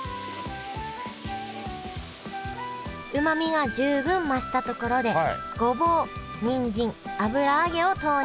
うまみが十分増したところでごぼうにんじん油揚げを投入